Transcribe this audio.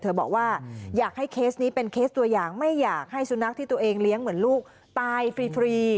บอกว่าอยากให้เคสนี้เป็นเคสตัวอย่างไม่อยากให้สุนัขที่ตัวเองเลี้ยงเหมือนลูกตายฟรี